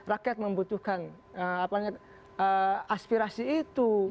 rakyat membutuhkan aspirasi itu